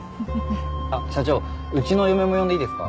あっ社長うちの嫁も呼んでいいですか？